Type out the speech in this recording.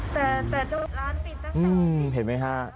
แต่แต่เจ้าร้านปิดตั้งแต่อืมเห็นไหมฮะ